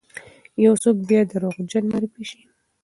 یو څوک بیا دروغجن معرفي سی،